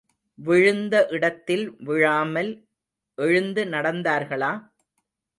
விழுந்த இடத்தில் விழாமல் எழுந்து நடந்தார்களா?